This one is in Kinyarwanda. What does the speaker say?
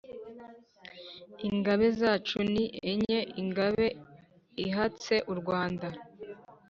ingabe zacu ni enye: ingabe ihatse u rwanda,